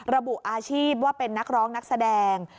ระบุอาชีพว่าเป็นนักร้องนักแสดง